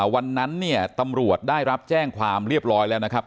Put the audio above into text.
วันนั้นเนี่ยตำรวจได้รับแจ้งความเรียบร้อยแล้วนะครับ